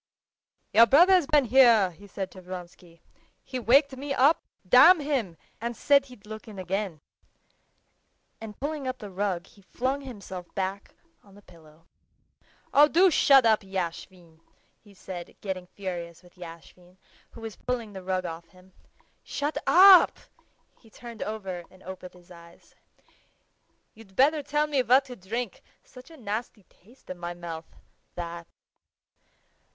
"Your brother's been here," he said to Vronsky. "He waked me up, damn him, and said he'd look in again." And pulling up the rug he flung himself back on the pillow. "Oh, do shut up, Yashvin!" he said, getting furious with Yashvin, who was pulling the rug off him. "Shut up!" He turned over and opened his eyes. "You'd better tell me what to drink; such a nasty taste in my mouth, that...."